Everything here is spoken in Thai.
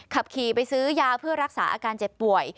ขับขี่ไปซื้อยาเพื่อรักษาอาการเจ็บป่วย